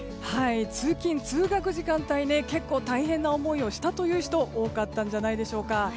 通勤・通学時間帯結構大変な思いをしたという人多かったんじゃないでしょうか。